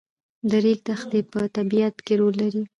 د ریګ دښتې په طبیعت کې رول لري.